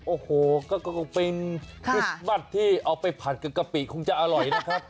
โอ้โหก็เป็นคริสต์มัสที่เอาไปผัดกับกะปิคงจะอร่อยนะครับ